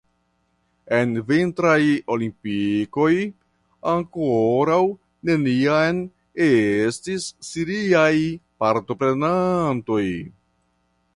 En vintraj olimpikoj ankoraŭ neniam estis siriaj partoprenantoj.